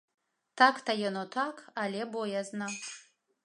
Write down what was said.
Так то яно так, але боязна.